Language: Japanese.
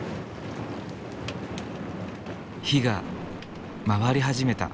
火が回り始めた。